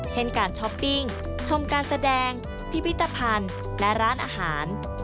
เช่นการช้อปปิ้งชมการแสดงพิพิธภัณฑ์และร้านอาหาร